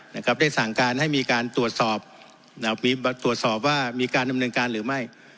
นะครับได้สั่งการให้มีการตรวจสอบนะครับมีตรวจสอบว่ามีการดำเนินการหรือไม่